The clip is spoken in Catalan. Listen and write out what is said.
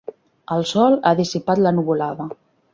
El sol ha dissipat la nuvolada.